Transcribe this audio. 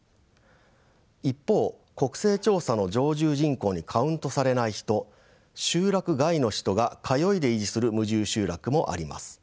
一方国勢調査の常住人口にカウントされない人集落外の人が「通い」で維持する無住集落もあります。